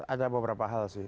ada beberapa hal sih